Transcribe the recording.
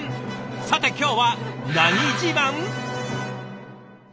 さて今日は何自慢？